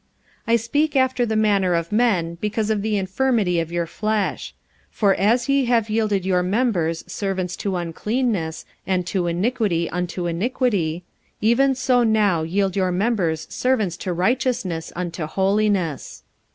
45:006:019 I speak after the manner of men because of the infirmity of your flesh: for as ye have yielded your members servants to uncleanness and to iniquity unto iniquity; even so now yield your members servants to righteousness unto holiness.